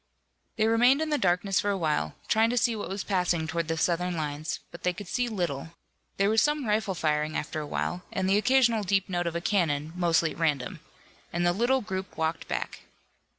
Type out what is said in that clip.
They remained in the darkness for a while, trying to see what was passing toward the Southern lines, but they could see little. There was some rifle firing after a while, and the occasional deep note of a cannon, mostly at random and the little group walked back.